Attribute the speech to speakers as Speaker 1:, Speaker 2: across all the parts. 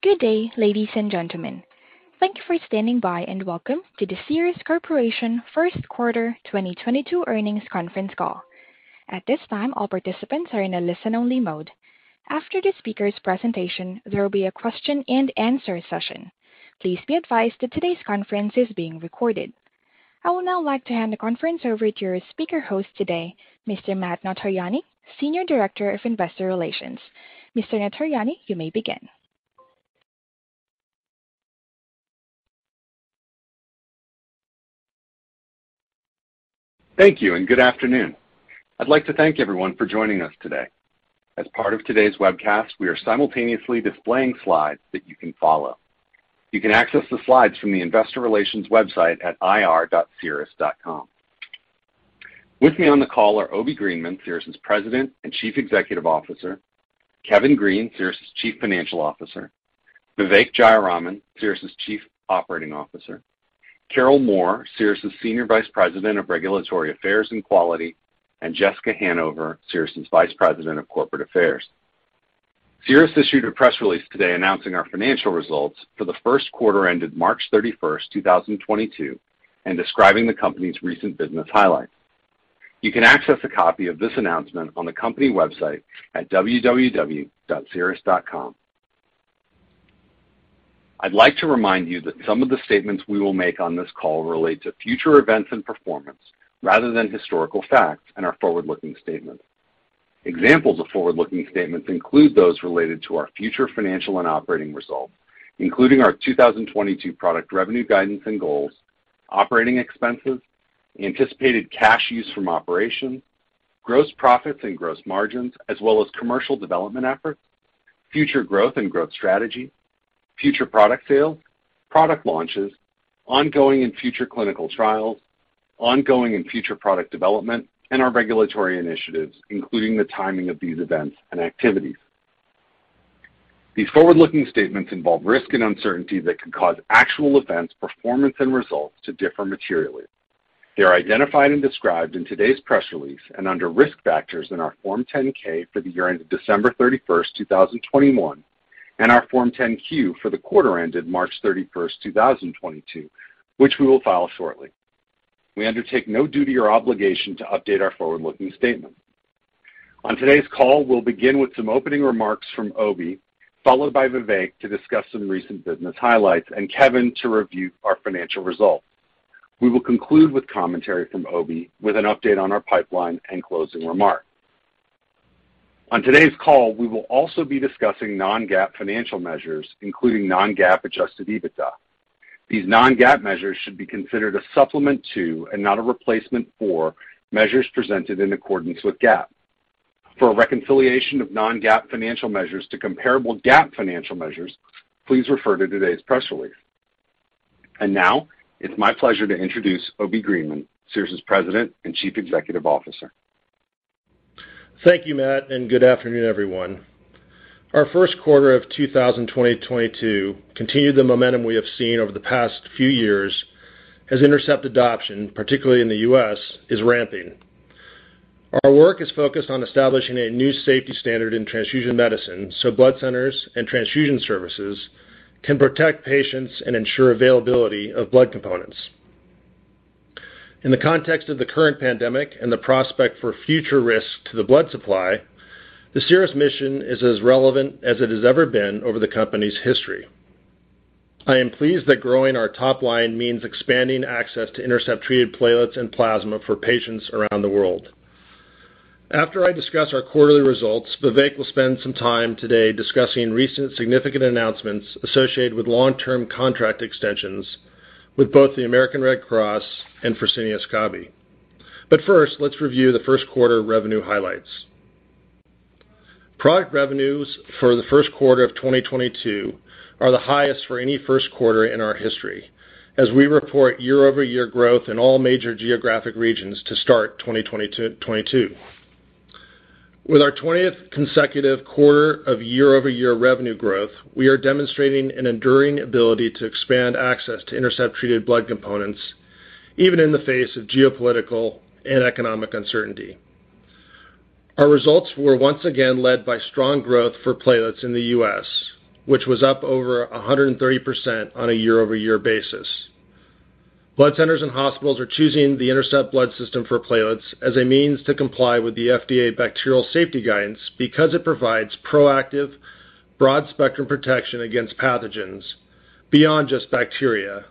Speaker 1: Good day, ladies and gentlemen. Thank you for standing by, and welcome to the Cerus Corporation first quarter 2022 earnings conference call. At this time, all participants are in a listen-only mode. After the speaker's presentation, there will be a question and answer session. Please be advised that today's conference is being recorded. I would now like to hand the conference over to your speaker host today, Mr. Matt Notarianni, Senior Director of Investor Relations. Mr. Notarianni, you may begin.
Speaker 2: Thank you, and good afternoon. I'd like to thank everyone for joining us today. As part of today's webcast, we are simultaneously displaying slides that you can follow. You can access the slides from the investor relations website at ir.cerus.com. With me on the call are Obi Greenman, Cerus' President and Chief Executive Officer, Kevin Green, Cerus' Chief Financial Officer, Vivek Jayaraman, Cerus' Chief Operating Officer, Carol Moore, Cerus' Senior Vice President of Regulatory Affairs and Quality, and Jessica Hanover, Cerus' Vice President of Corporate Affairs. Cerus issued a press release today announcing our financial results for the first quarter ended March 31, 2022, and describing the company's recent business highlights. You can access a copy of this announcement on the company website at www.cerus.com. I'd like to remind you that some of the statements we will make on this call relate to future events and performance rather than historical facts and are forward-looking statements. Examples of forward-looking statements include those related to our future financial and operating results, including our 2022 product revenue guidance and goals, operating expenses, anticipated cash use from operations, gross profits and gross margins, as well as commercial development efforts, future growth and growth strategy, future product sales, product launches, ongoing and future clinical trials, ongoing and future product development, and our regulatory initiatives, including the timing of these events and activities. These forward-looking statements involve risk and uncertainty that can cause actual events, performance, and results to differ materially. They are identified and described in today's press release and under Risk Factors in our Form 10-K for the year ended December 31, 2021, and our Form 10-Q for the quarter ended March 31, 2022, which we will file shortly. We undertake no duty or obligation to update our forward-looking statements. On today's call, we'll begin with some opening remarks from Obi, followed by Vivek to discuss some recent business highlights, and Kevin to review our financial results. We will conclude with commentary from Obi with an update on our pipeline and closing remarks. On today's call, we will also be discussing non-GAAP financial measures, including non-GAAP adjusted EBITDA. These non-GAAP measures should be considered a supplement to, and not a replacement for, measures presented in accordance with GAAP. For a reconciliation of non-GAAP financial measures to comparable GAAP financial measures, please refer to today's press release. Now, it's my pleasure to introduce Obi Greenman, Cerus's President and Chief Executive Officer.
Speaker 3: Thank you, Matt, and good afternoon, everyone. Our first quarter of 2022 continued the momentum we have seen over the past few years as INTERCEPT adoption, particularly in the U.S., is ramping. Our work is focused on establishing a new safety standard in transfusion medicine, so blood centers and transfusion services can protect patients and ensure availability of blood components. In the context of the current pandemic and the prospect for future risk to the blood supply, the Cerus mission is as relevant as it has ever been over the company's history. I am pleased that growing our top line means expanding access to INTERCEPT-treated platelets and plasma for patients around the world. After I discuss our quarterly results, Vivek will spend some time today discussing recent significant announcements associated with long-term contract extensions with both the American Red Cross and Fresenius Kabi. First, let's review the first quarter revenue highlights. Product revenues for the first quarter of 2022 are the highest for any first quarter in our history, as we report year-over-year growth in all major geographic regions to start 2022. With our 20th consecutive quarter of year-over-year revenue growth, we are demonstrating an enduring ability to expand access to INTERCEPT-treated blood components, even in the face of geopolitical and economic uncertainty. Our results were once again led by strong growth for platelets in the U.S., which was up over 130% on a year-over-year basis. Blood centers and hospitals are choosing the INTERCEPT Blood System for platelets as a means to comply with the FDA bacterial safety guidance because it provides proactive, broad-spectrum protection against pathogens beyond just bacteria,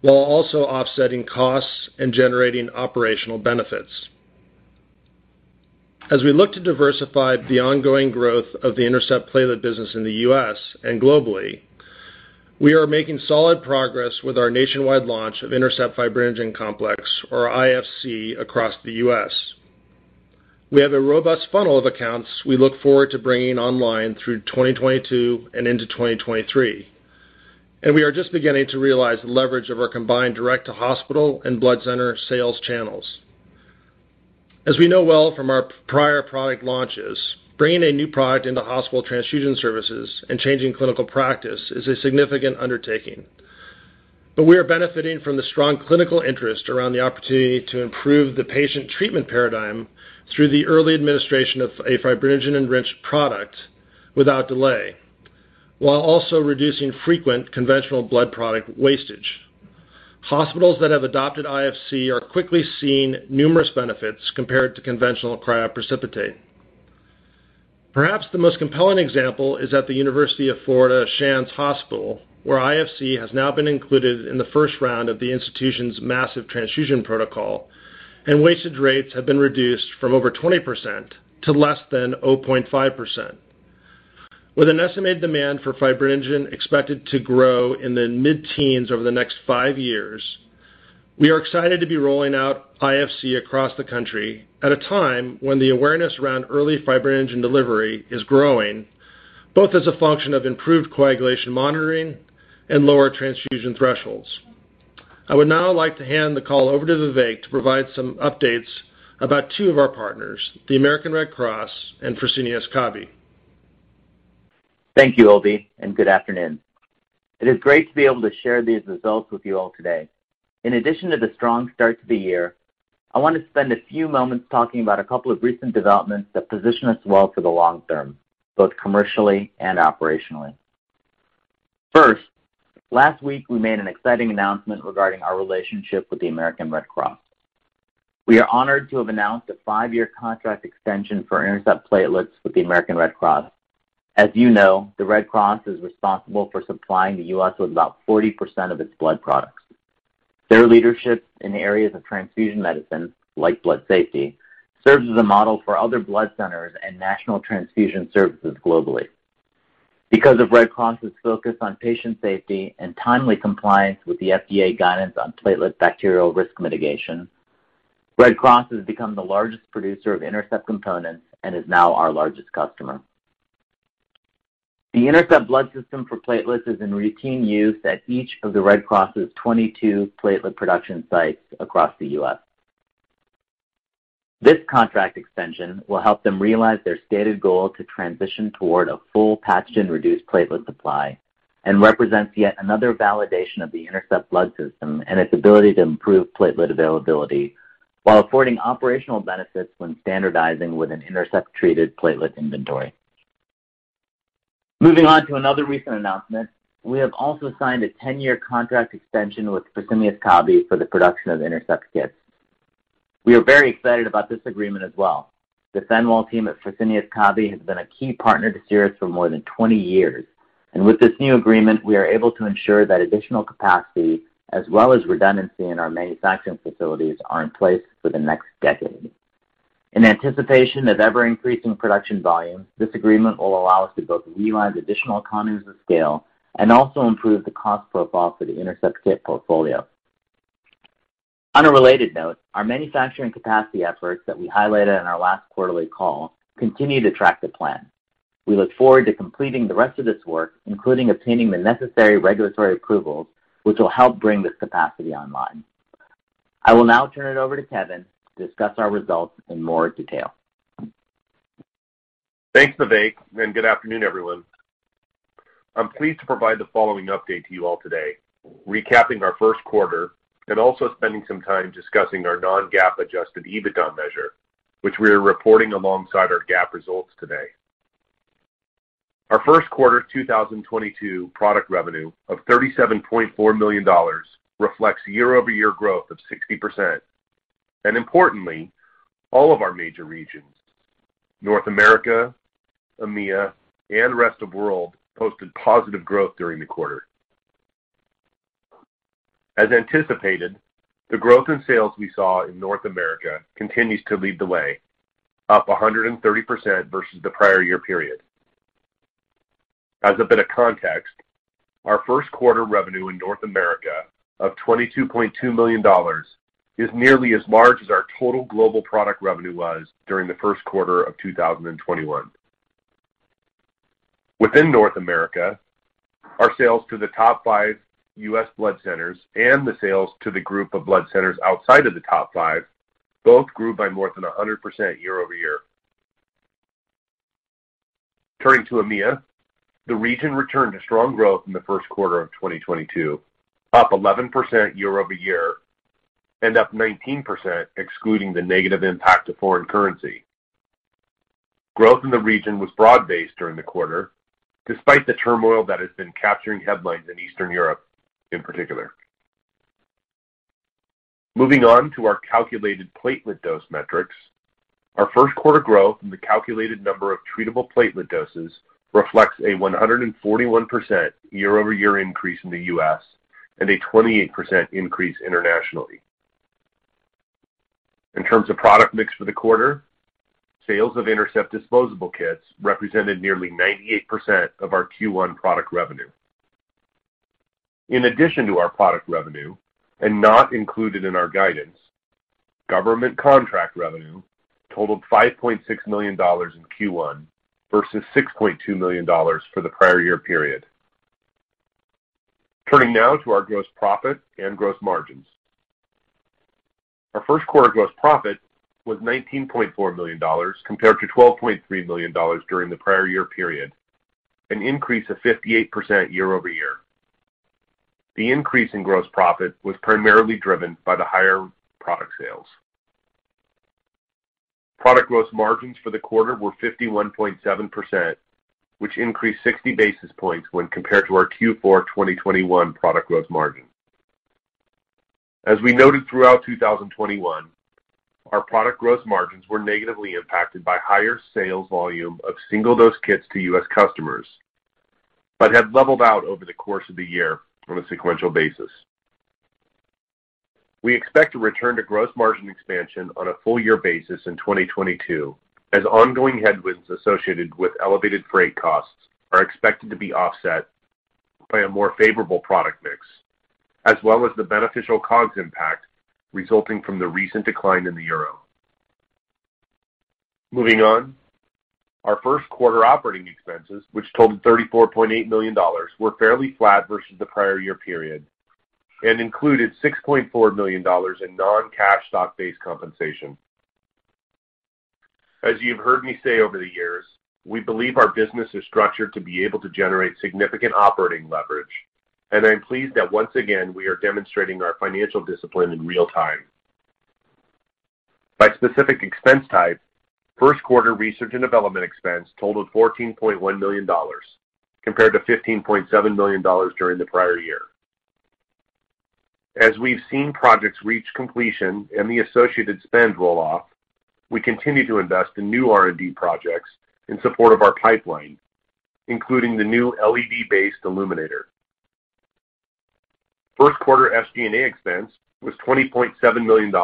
Speaker 3: while also offsetting costs and generating operational benefits. As we look to diversify the ongoing growth of the INTERCEPT platelet business in the U.S. and globally, we are making solid progress with our nationwide launch of INTERCEPT Fibrinogen Complex, or IFC, across the U.S. We have a robust funnel of accounts we look forward to bringing online through 2022 and into 2023, and we are just beginning to realize the leverage of our combined direct-to-hospital and blood center sales channels. As we know well from our prior product launches, bringing a new product into hospital transfusion services and changing clinical practice is a significant undertaking. We are benefiting from the strong clinical interest around the opportunity to improve the patient treatment paradigm through the early administration of a fibrinogen-enriched product without delay, while also reducing frequent conventional blood product wastage. Hospitals that have adopted IFC are quickly seeing numerous benefits compared to conventional cryoprecipitate. Perhaps the most compelling example is at UF Health Shands Hospital, where IFC has now been included in the first round of the institution's massive transfusion protocol, and wastage rates have been reduced from over 20% to less than 0.5%. With an estimated demand for fibrinogen expected to grow in the mid-teens over the next five years, we are excited to be rolling out IFC across the country at a time when the awareness around early fibrinogen delivery is growing, both as a function of improved coagulation monitoring and lower transfusion thresholds. I would now like to hand the call over to Vivek to provide some updates about two of our partners, the American Red Cross and Fresenius Kabi.
Speaker 4: Thank you, Obi, and good afternoon. It is great to be able to share these results with you all today. In addition to the strong start to the year, I want to spend a few moments talking about a couple of recent developments that position us well for the long term, both commercially and operationally. First, last week we made an exciting announcement regarding our relationship with the American Red Cross. We are honored to have announced a five-year contract extension for INTERCEPT platelets with the American Red Cross. As you know, the Red Cross is responsible for supplying the U.S. with about 40% of its blood products. Their leadership in areas of transfusion medicine, like blood safety, serves as a model for other blood centers and national transfusion services globally. Because of Red Cross's focus on patient safety and timely compliance with the FDA guidance on platelet bacterial risk mitigation, Red Cross has become the largest producer of INTERCEPT components and is now our largest customer. The INTERCEPT Blood System for platelets is in routine use at each of the Red Cross' 2022 platelet production sites across the U.S. This contract extension will help them realize their stated goal to transition toward a full pathogen-reduced platelet supply and represents yet another validation of the INTERCEPT Blood System and its ability to improve platelet availability while affording operational benefits when standardizing with an INTERCEPT-treated platelet inventory. Moving on to another recent announcement, we have also signed a 10-year contract extension with Fresenius Kabi for the production of INTERCEPT kits. We are very excited about this agreement as well. The Fenwal team at Fresenius Kabi has been a key partner to Cerus for more than 20 years, and with this new agreement, we are able to ensure that additional capacity as well as redundancy in our manufacturing facilities are in place for the next decade. In anticipation of ever-increasing production volumes, this agreement will allow us to both realize additional economies of scale and also improve the cost profile for the INTERCEPT kit portfolio. On a related note, our manufacturing capacity efforts that we highlighted on our last quarterly call continue to track the plan. We look forward to completing the rest of this work, including obtaining the necessary regulatory approvals, which will help bring this capacity online. I will now turn it over to Kevin to discuss our results in more detail.
Speaker 5: Thanks, Vivek, and good afternoon, everyone. I'm pleased to provide the following update to you all today, recapping our first quarter and also spending some time discussing our non-GAAP adjusted EBITDA measure, which we are reporting alongside our GAAP results today. Our first quarter 2022 product revenue of $37.4 million reflects year-over-year growth of 60%. Importantly, all of our major regions, North America, EMEA and rest of World, posted positive growth during the quarter. As anticipated, the growth in sales we saw in North America continues to lead the way, up 130% versus the prior year period. As a bit of context, our first quarter revenue in North America of $22.2 million is nearly as large as our total global product revenue was during the first quarter of 2021. Within North America, our sales to the top five U.S. blood centers and the sales to the group of blood centers outside of the top five both grew by more than 100% year-over-year. Turning to EMEA, the region returned to strong growth in the first quarter of 2022, up 11% year-over-year, and up 19% excluding the negative impact of foreign currency. Growth in the region was broad-based during the quarter, despite the turmoil that has been capturing headlines in Eastern Europe in particular. Moving on to our calculated platelet dose metrics. Our first quarter growth in the calculated number of treatable platelet doses reflects a 141% year-over-year increase in the U.S. and a 28% increase internationally. In terms of product mix for the quarter, sales of INTERCEPT disposable kits represented nearly 98% of our Q1 product revenue. In addition to our product revenue, and not included in our guidance, government contract revenue totaled $5.6 million in Q1 versus $6.2 million for the prior year period. Turning now to our gross profit and gross margins. Our first quarter gross profit was $19.4 million compared to $12.3 million during the prior year period, an increase of 58% year-over-year. The increase in gross profit was primarily driven by the higher product sales. Product gross margins for the quarter were 51.7%, which increased 60 basis points when compared to our Q4 2021 product gross margin. As we noted throughout 2021, our product gross margins were negatively impacted by higher sales volume of single-dose kits to U.S. customers, but had leveled out over the course of the year on a sequential basis. We expect to return to gross margin expansion on a full year basis in 2022 as ongoing headwinds associated with elevated freight costs are expected to be offset by a more favorable product mix, as well as the beneficial COGS impact resulting from the recent decline in the euro. Moving on. Our first quarter operating expenses, which totaled $34.8 million, were fairly flat versus the prior year period and included $6.4 million in non-cash stock-based compensation. As you've heard me say over the years, we believe our business is structured to be able to generate significant operating leverage, and I'm pleased that once again, we are demonstrating our financial discipline in real time. By specific expense type, first quarter research and development expense totaled $14.1 million compared to $15.7 million during the prior year. As we've seen projects reach completion and the associated spend roll-off, we continue to invest in new R&D projects in support of our pipeline, including the new LED-based illuminator. First quarter SG&A expense was $20.7 million,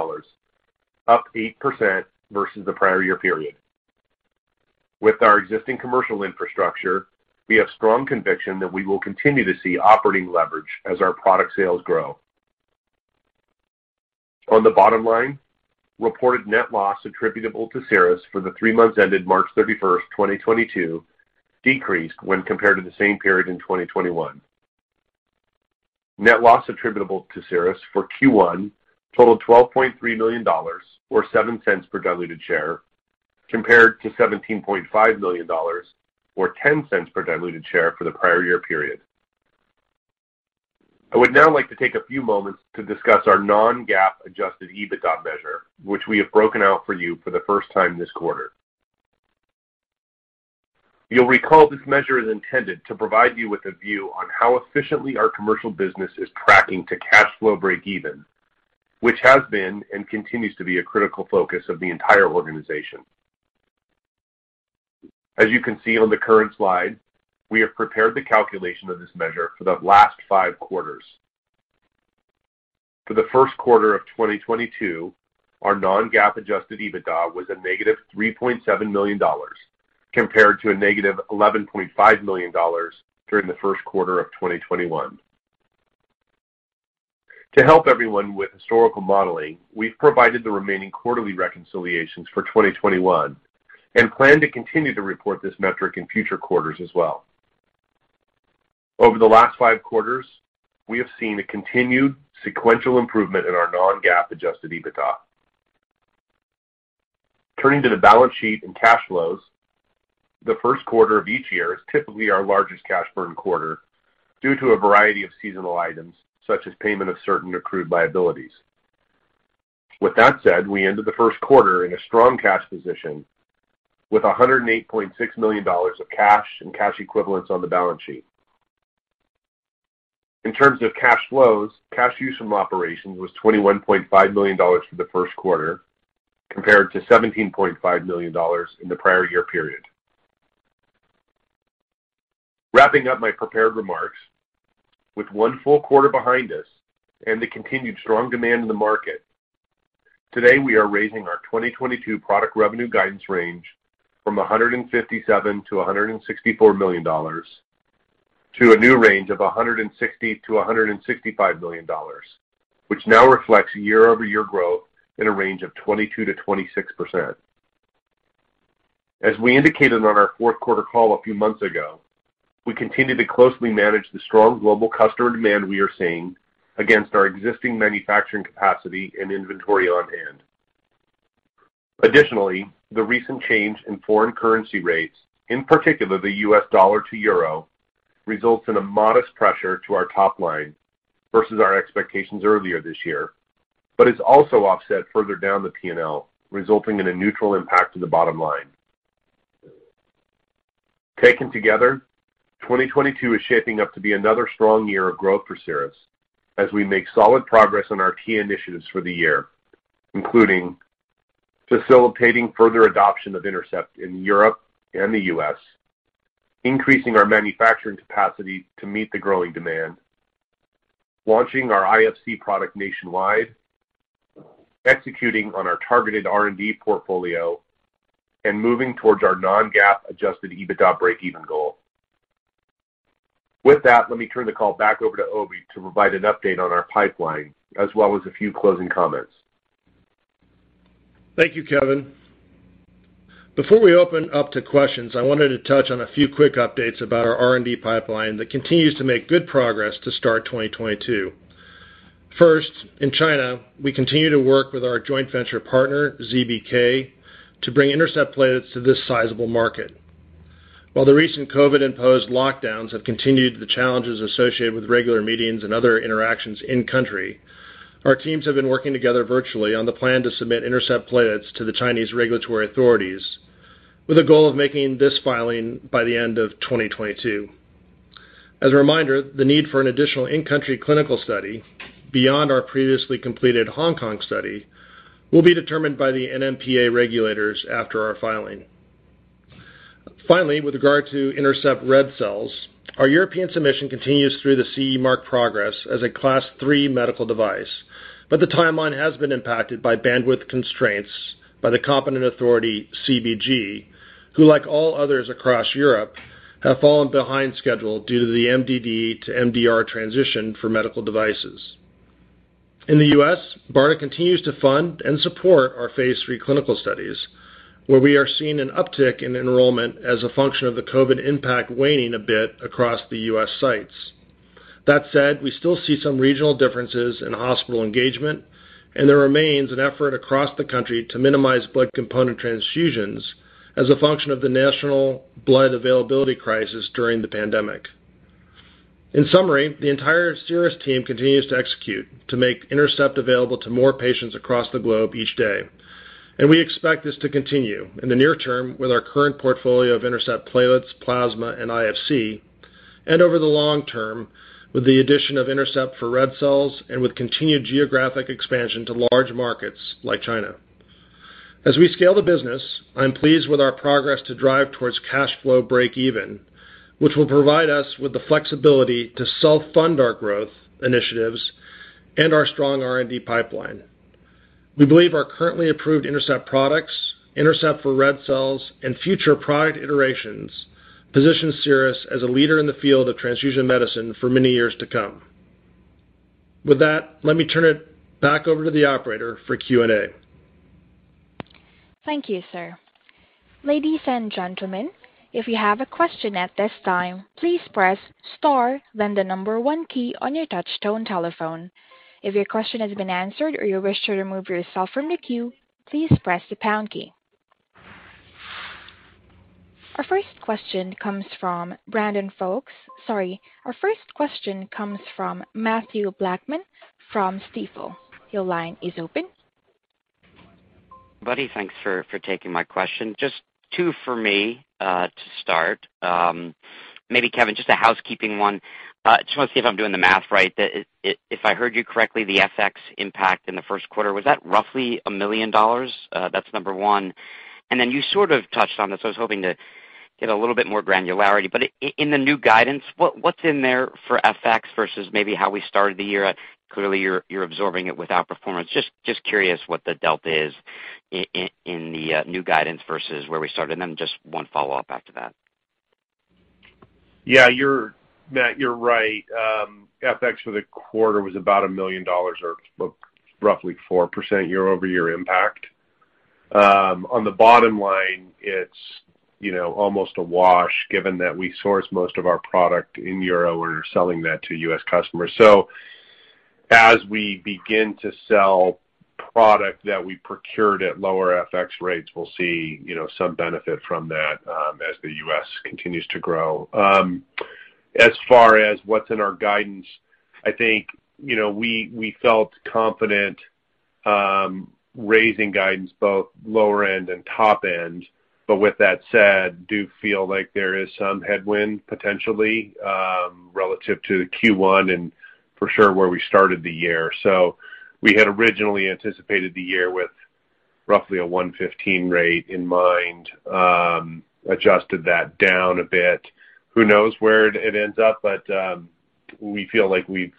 Speaker 5: up 8% versus the prior year period. With our existing commercial infrastructure, we have strong conviction that we will continue to see operating leverage as our product sales grow. On the bottom line, reported net loss attributable to Cerus for the three months ended March 31, 2022 decreased when compared to the same period in 2021. Net loss attributable to Cerus for Q1 totaled $12.3 million or 0.7 per diluted share, compared to $17.5 million or 0.10 per diluted share for the prior year period. I would now like to take a few moments to discuss our non-GAAP adjusted EBITDA measure, which we have broken out for you for the first time this quarter. You'll recall this measure is intended to provide you with a view on how efficiently our commercial business is tracking to cash flow breakeven, which has been and continues to be a critical focus of the entire organization. As you can see on the current slide, we have prepared the calculation of this measure for the last five quarters. For the first quarter of 2022, our non-GAAP adjusted EBITDA was a -$3.7 million, compared to a -$11.5 million during the first quarter of 2021. To help everyone with historical modeling, we've provided the remaining quarterly reconciliations for 2021 and plan to continue to report this metric in future quarters as well. Over the last five quarters, we have seen a continued sequential improvement in our non-GAAP adjusted EBITDA. Turning to the balance sheet and cash flows, the first quarter of each year is typically our largest cash burn quarter due to a variety of seasonal items, such as payment of certain accrued liabilities. With that said, we ended the first quarter in a strong cash position with $108.6 million of cash and cash equivalents on the balance sheet. In terms of cash flows, cash use from operations was $21.5 million for the first quarter compared to $17.5 million in the prior year period. Wrapping up my prepared remarks. With one full quarter behind us and the continued strong demand in the market, today we are raising our 2022 product revenue guidance range from $157 million-$164 million to a new range of $160 million-$165 million, which now reflects year-over-year growth in a range of 22%-26%. As we indicated on our fourth quarter call a few months ago, we continue to closely manage the strong global customer demand we are seeing against our existing manufacturing capacity and inventory on hand. Additionally, the recent change in foreign currency rates, in particular the U.S. dollar to euro, results in a modest pressure to our top line versus our expectations earlier this year, but is also offset further down the P&L, resulting in a neutral impact to the bottom line. Taken together, 2022 is shaping up to be another strong year of growth for Cerus as we make solid progress on our key initiatives for the year, including facilitating further adoption of INTERCEPT in Europe and the U.S., increasing our manufacturing capacity to meet the growing demand, launching our IFC product nationwide, executing on our targeted R&D portfolio, and moving towards our non-GAAP adjusted EBITDA breakeven goal. With that, let me turn the call back over to Obi to provide an update on our pipeline as well as a few closing comments. Thank you, Kevin.
Speaker 3: Before we open up to questions, I wanted to touch on a few quick updates about our R&D pipeline that continues to make good progress to start 2022. First, in China, we continue to work with our joint venture partner, ZBK, to bring INTERCEPT platelets to this sizable market. While the recent COVID-imposed lockdowns have continued the challenges associated with regular meetings and other interactions in-country, our teams have been working together virtually on the plan to submit INTERCEPT platelets to the Chinese regulatory authorities with a goal of making this filing by the end of 2022. As a reminder, the need for an additional in-country clinical study beyond our previously completed Hong Kong study will be determined by the NMPA regulators after our filing. Finally, with regard to INTERCEPT red blood cells, our European submission continues through the CE mark progress as a Class III medical device. The timeline has been impacted by bandwidth constraints by the competent authority, CBG, who, like all others across Europe, have fallen behind schedule due to the MDD to MDR transition for medical devices. In the U.S., BARDA continues to fund and support our phase III clinical studies, where we are seeing an uptick in enrollment as a function of the COVID impact waning a bit across the U.S. sites. That said, we still see some regional differences in hospital engagement, and there remains an effort across the country to minimize blood component transfusions as a function of the national blood availability crisis during the pandemic. In summary, the entire Cerus team continues to execute to make INTERCEPT available to more patients across the globe each day, and we expect this to continue in the near term with our current portfolio of INTERCEPT platelets, plasma, and IFC, and over the long term with the addition of INTERCEPT for red cells and with continued geographic expansion to large markets like China. As we scale the business, I'm pleased with our progress to drive towards cash flow break even, which will provide us with the flexibility to self-fund our growth initiatives and our strong R&D pipeline. We believe our currently approved INTERCEPT products, INTERCEPT for red cells and future product iterations position Cerus as a leader in the field of transfusion medicine for many years to come. With that, let me turn it back over to the operator for Q&A.
Speaker 1: Thank you, sir. Ladies and gentlemen, if you have a question at this time, please press star, then the number one key on your touch tone telephone. If your question has been answered or you wish to remove yourself from the queue, please press the pound key. Our first question comes from Mathew Blackman from Stifel. Your line is open.
Speaker 6: Buddy, thanks for taking my question. Just two for me to start. Maybe Kevin, just a housekeeping one. Just want to see if I'm doing the math right. If I heard you correctly, the FX impact in the first quarter was that roughly $1 million? That's number one. Then you sort of touched on this. I was hoping to get a little bit more granularity. In the new guidance, what's in there for FX versus maybe how we started the year? Clearly you're absorbing it with outperformance. Just curious what the delta is in the new guidance versus where we started. Then just one follow-up after that.
Speaker 5: Yeah, Mat, you're right. FX for the quarter was about $1 million or roughly 4% year-over-year impact. On the bottom line, it's, you know, almost a wash given that we source most of our product in euro and are selling that to U.S. customers. As we begin to sell product that we procured at lower FX rates, we'll see, you know, some benefit from that, as the U.S. continues to grow. As far as what's in our guidance, I think, you know, we felt confident, raising guidance both lower end and top end. With that said, do feel like there is some headwind potentially, relative to Q1 and for sure where we started the year. We had originally anticipated the year with roughly a 1.15 rate in mind, adjusted that down a bit. Who knows where it ends up, but we feel like we've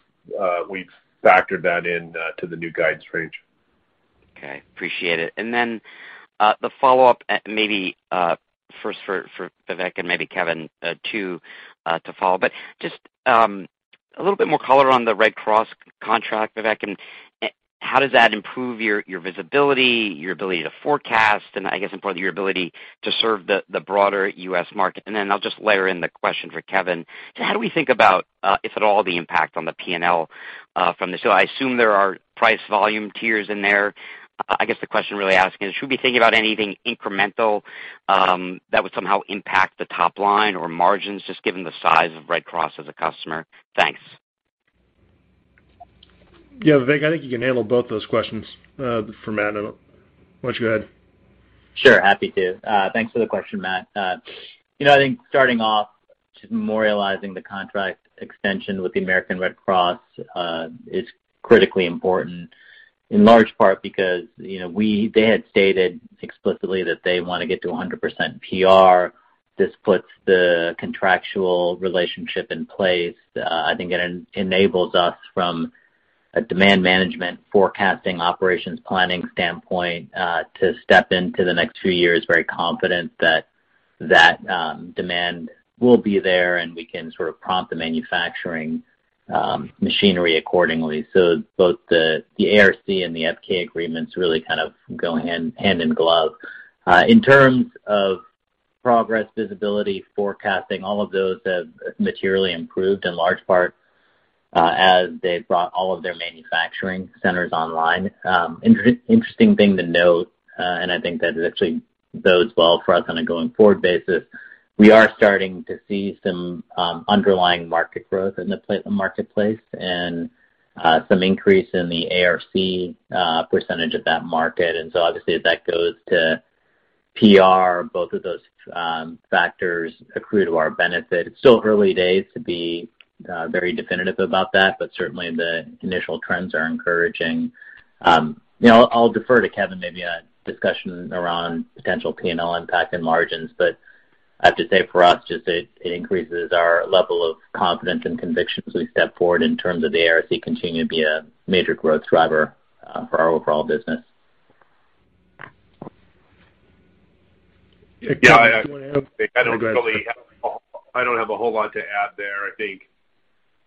Speaker 5: factored that in to the new guidance range.
Speaker 6: Okay, appreciate it. The follow-up maybe first for Vivek and maybe Kevin too to follow. Just a little bit more color on the Red Cross contract, Vivek, and how does that improve your visibility, your ability to forecast, and I guess importantly, your ability to serve the broader U.S. market. I'll just layer in the question for Kevin. How do we think about, if at all, the impact on the P&L from this? I assume there are price volume tiers in there. I guess the question really asking is, should we be thinking about anything incremental that would somehow impact the top line or margins just given the size of Red Cross as a customer? Thanks.
Speaker 3: Yeah, Vivek, I think you can handle both those questions from Mat. Why don't you go ahead?
Speaker 4: Sure. Happy to. Thanks for the question, Mat. You know, I think starting off just memorializing the contract extension with the American Red Cross is critically important in large part because, you know, they had stated explicitly that they want to get to 100% PR. This puts the contractual relationship in place. I think it enables us from a demand management forecasting operations planning standpoint to step into the next few years very confident that demand will be there, and we can sort of prompt the manufacturing machinery accordingly. Both the ARC and the FK agreements really kind of go hand in glove. In terms of progress, visibility, forecasting, all of those have materially improved in large part as they've brought all of their manufacturing centers online. Interesting thing to note, and I think that it actually bodes well for us on a going forward basis. We are starting to see some underlying market growth in the platelet marketplace and some increase in the ARC percentage of that market. Obviously, as that goes to PR, both of those factors accrue to our benefit. It's still early days to be very definitive about that, but certainly the initial trends are encouraging. You know, I'll defer to Kevin maybe on discussion around potential P&L impact and margins. But I have to say for us just it increases our level of confidence and conviction as we step forward in terms of the ARC continuing to be a major growth driver for our overall business.
Speaker 5: Yeah.
Speaker 3: Kevin, do you want to add?
Speaker 5: I don't really have a whole.
Speaker 3: Go ahead, Kevin.
Speaker 5: I don't have a whole lot to add there. I think,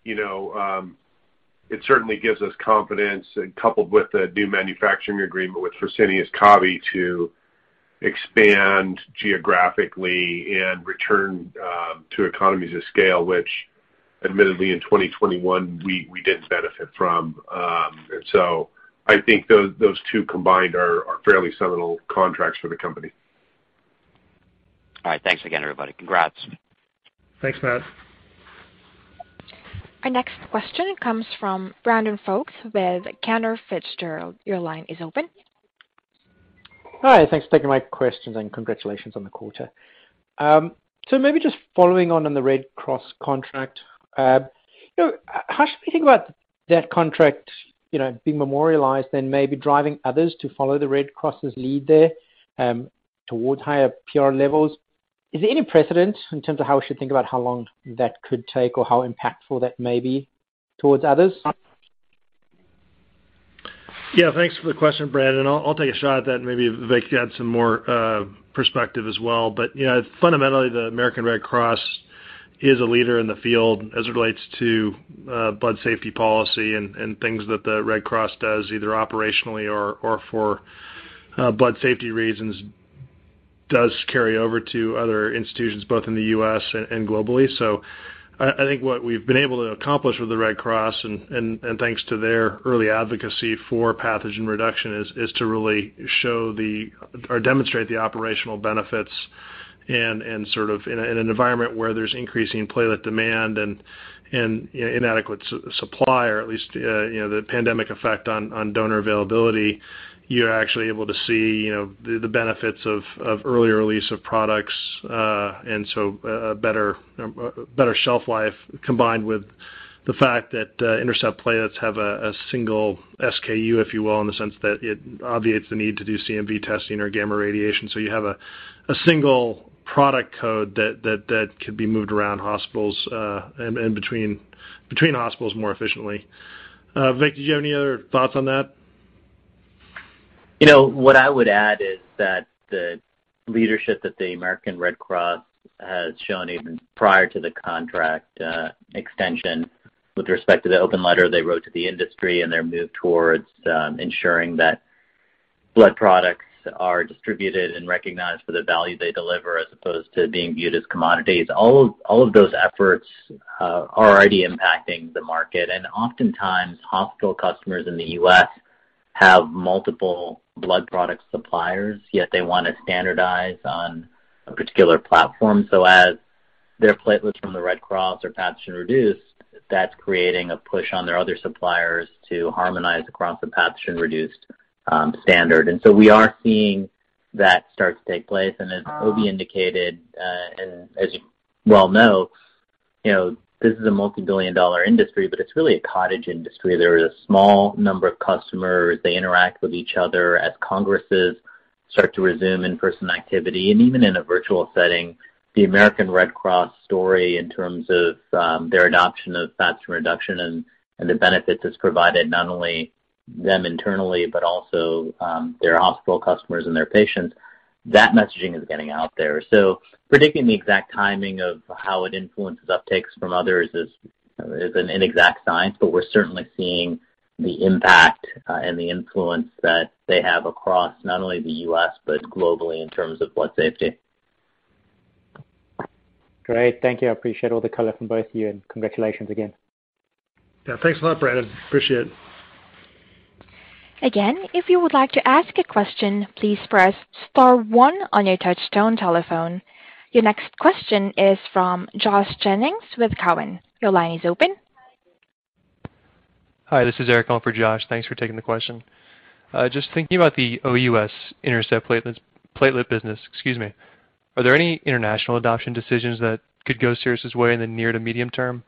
Speaker 5: you know, it certainly gives us confidence coupled with the new manufacturing agreement with Fresenius Kabi to expand geographically and return to economies of scale, which admittedly in 2021 we didn't benefit from. I think those two combined are fairly seminal contracts for the company.
Speaker 7: All right. Thanks again, everybody. Congrats.
Speaker 3: Thanks, Mat.
Speaker 1: Our next question comes from Brandon Folkes with Cantor Fitzgerald. Your line is open.
Speaker 8: Hi. Thanks for taking my questions, and congratulations on the quarter. Maybe just following on the Red Cross contract. You know, how should we think about that contract, you know, being memorialized, then maybe driving others to follow the Red Cross' lead there, towards higher PR levels? Is there any precedent in terms of how we should think about how long that could take or how impactful that may be towards others?
Speaker 3: Yeah, thanks for the question, Brandon. I'll take a shot at that and maybe Vivek can add some more perspective as well. You know, fundamentally, the American Red Cross is a leader in the field as it relates to blood safety policy and things that the Red Cross does either operationally or for blood safety reasons does carry over to other institutions both in the U.S. and globally. I think what we've been able to accomplish with the Red Cross and thanks to their early advocacy for pathogen reduction is to really demonstrate the operational benefits and sort of in an environment where there's increasing platelet demand and inadequate supply or at least, you know, the pandemic effect on donor availability, you're actually able to see, you know, the benefits of earlier release of products and so a better shelf life combined with the fact that INTERCEPT platelets have a single SKU, if you will, in the sense that it obviates the need to do CMV testing or gamma radiation. You have a single product code that could be moved around hospitals and between hospitals more efficiently. Vivek, did you have any other thoughts on that?
Speaker 4: You know, what I would add is that the leadership that the American Red Cross has shown even prior to the contract extension with respect to the open letter they wrote to the industry and their move towards ensuring that blood products are distributed and recognized for the value they deliver as opposed to being viewed as commodities, all of those efforts are already impacting the market. Oftentimes hospital customers in the U.S. have multiple blood product suppliers, yet they want to standardize on a particular platform. As their platelets from the Red Cross are pathogen reduced, that's creating a push on their other suppliers to harmonize across the pathogen-reduced standard. We are seeing that start to take place. As Obi indicated, and as you well know, you know, this is a multibillion-dollar industry, but it's really a cottage industry. There is a small number of customers. They interact with each other. As congresses start to resume in-person activity and even in a virtual setting, the American Red Cross story in terms of their adoption of pathogen reduction and the benefits it's provided not only them internally, but also their hospital customers and their patients, that messaging is getting out there. Predicting the exact timing of how it influences uptakes from others is an inexact science. We're certainly seeing the impact and the influence that they have across not only the U.S. but globally in terms of blood safety.
Speaker 8: Great. Thank you. I appreciate all the color from both of you, and congratulations again.
Speaker 3: Yeah. Thanks a lot, Brandon. Appreciate it.
Speaker 1: Again, if you would like to ask a question, please press star one on your touchtone telephone. Your next question is from Josh Jennings with Cowen. Your line is open.
Speaker 9: Hi, this is Eric on for Josh. Thanks for taking the question. Just thinking about the OUS INTERCEPT platelet business. Are there any international adoption decisions that could be a serious sway in the near to medium term?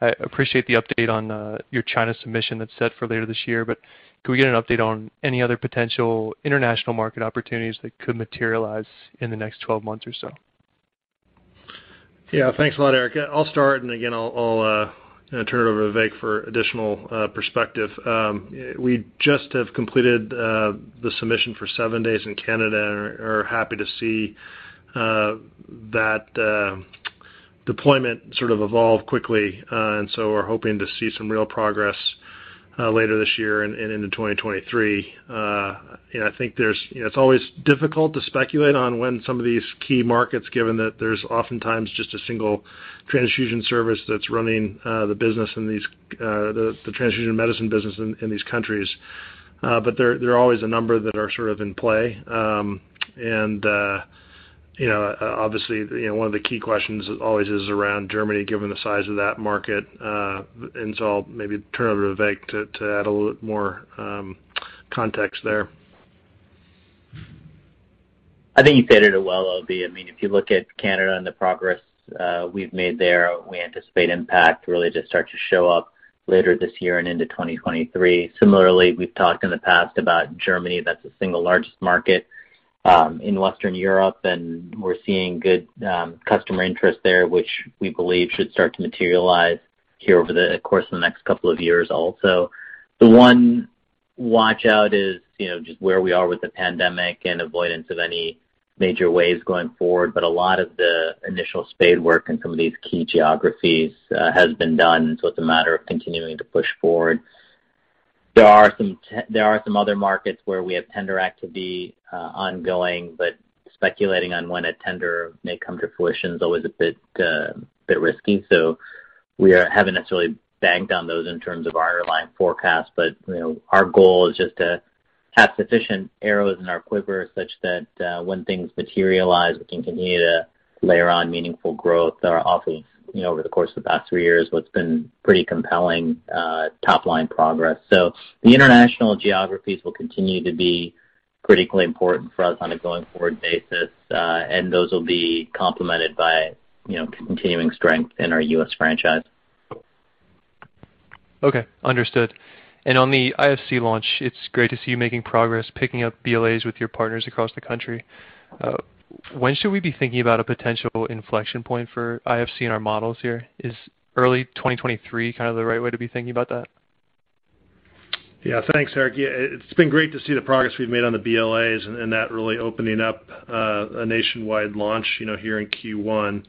Speaker 9: I appreciate the update on your China submission that's set for later this year, but could we get an update on any other potential international market opportunities that could materialize in the next 12 months or so?
Speaker 3: Yeah. Thanks a lot, Eric. I'll start, and again, I'll you know turn it over to Vivek for additional perspective. We just have completed the submission for seven days in Canada and are happy to see that deployment sort of evolve quickly. We're hoping to see some real progress later this year and into 2023. You know, I think there's you know it's always difficult to speculate on when some of these key markets, given that there's oftentimes just a single transfusion service that's running the business in these the transfusion medicine business in these countries. There are always a number that are sort of in play. You know, obviously, you know, one of the key questions always is around Germany, given the size of that market. I'll maybe turn it over to Vivek to add a little more context there.
Speaker 4: I think you stated it well, Obi. I mean, if you look at Canada and the progress we've made there, we anticipate impact really to start to show up later this year and into 2023. Similarly, we've talked in the past about Germany. That's the single largest market in Western Europe, and we're seeing good customer interest there, which we believe should start to materialize here over the course of the next couple of years also. The one watch-out is, you know, just where we are with the pandemic and avoidance of any major waves going forward. A lot of the initial spade work in some of these key geographies has been done, so it's a matter of continuing to push forward. There are some other markets where we have tender activity ongoing, but speculating on when a tender may come to fruition is always a bit risky. We haven't necessarily banked on those in terms of our line forecast. You know, our goal is just to have sufficient arrows in our quiver such that when things materialize, we continue to layer on meaningful growth or off the, you know, over the course of the past three years, what's been pretty compelling top-line progress. The international geographies will continue to be critically important for us on a going forward basis, and those will be complemented by, you know, continuing strength in our U.S. franchise.
Speaker 9: Okay. Understood. On the IFC launch, it's great to see you making progress, picking up BLAs with your partners across the country. When should we be thinking about a potential inflection point for IFC in our models here? Is early 2023 kind of the right way to be thinking about that?
Speaker 3: Yeah. Thanks, Eric. Yeah, it's been great to see the progress we've made on the BLAs and that really opening up a nationwide launch, you know, here in Q1.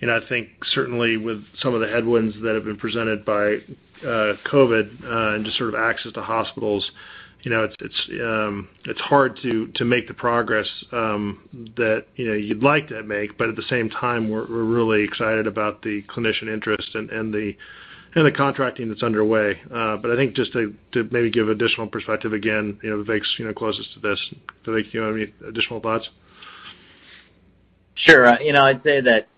Speaker 3: You know, I think certainly with some of the headwinds that have been presented by COVID and just sort of access to hospitals, you know, it's hard to make the progress that, you know, you'd like to make. At the same time, we're really excited about the clinician interest and the contracting that's underway. I think just to maybe give additional perspective, again, you know, Vivek's closest to this. Vivek, you want to any additional thoughts?
Speaker 4: Sure. You know, I'd say that,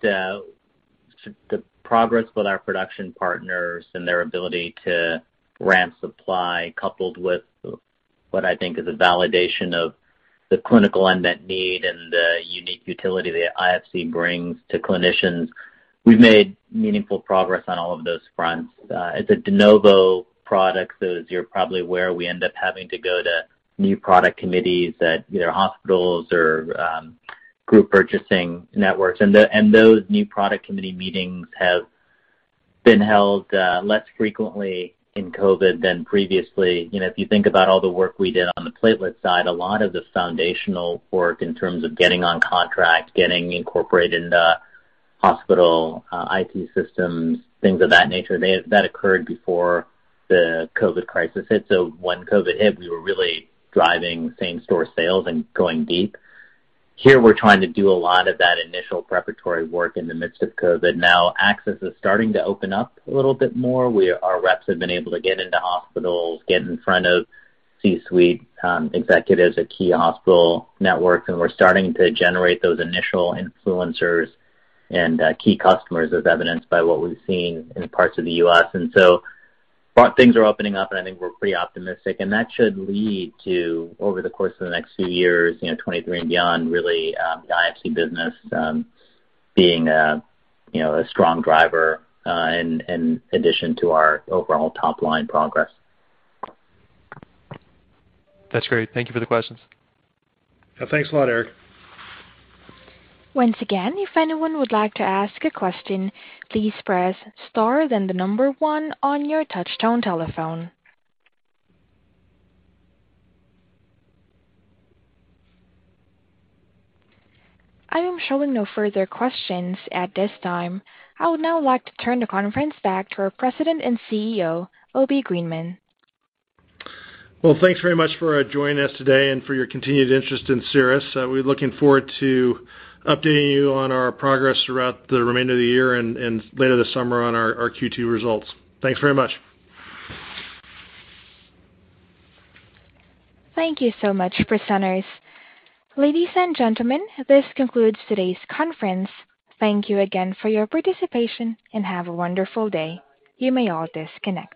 Speaker 4: the progress with our production partners and their ability to ramp supply, coupled with what I think is a validation of the clinical unmet need and the unique utility the IFC brings to clinicians. We've made meaningful progress on all of those fronts. It's a de novo product, so as you're probably aware, we end up having to go to new product committees at either hospitals or group purchasing networks. Those new product committee meetings have been held less frequently in COVID than previously. You know, if you think about all the work we did on the platelet side, a lot of the foundational work in terms of getting on contract, getting incorporated into hospital IT systems, things of that nature, that occurred before the COVID crisis hit. When COVID hit, we were really driving same-store sales and going deep. Here, we're trying to do a lot of that initial preparatory work in the midst of COVID. Now access is starting to open up a little bit more, where our reps have been able to get into hospitals, get in front of C-suite executives at key hospital networks, and we're starting to generate those initial influencers and key customers, as evidenced by what we've seen in parts of the U.S. While things are opening up, and I think we're pretty optimistic. That should lead to, over the course of the next few years, you know, 2023 and beyond, really, the IFC business being, you know, a strong driver in addition to our overall top-line progress.
Speaker 9: That's great. Thank you for the questions.
Speaker 3: Yeah. Thanks a lot, Eric.
Speaker 1: Once again, if anyone would like to ask a question, please press star then the number one on your touchtone telephone. I am showing no further questions at this time. I would now like to turn the conference back to our President and CEO, Obi Greenman.
Speaker 3: Well, thanks very much for joining us today and for your continued interest in Cerus. We're looking forward to updating you on our progress throughout the remainder of the year and later this summer on our Q2 results. Thanks very much.
Speaker 1: Thank you so much, presenters. Ladies and gentlemen, this concludes today's conference. Thank you again for your participation, and have a wonderful day. You may all disconnect.